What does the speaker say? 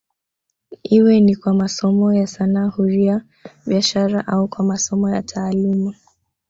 Iwe ni kwa masomo ya sanaa huria biashara au kwa masomo ya taaluma